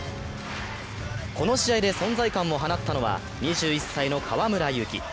この試合で存在感を放ったのは２１歳の河村優輝。